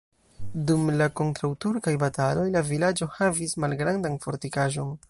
Dum la kontraŭturkaj bataloj la vilaĝo havis malgrandan fortikaĵon.